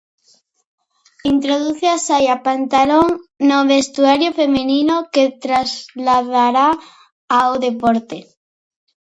Introduce la falda pantalón en el vestuario femenino que trasladará al deporte.